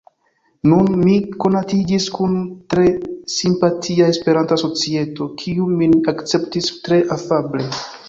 Nun mi konatiĝis kun tre simpatia esperanta societo, kiu min akceptis tre afable.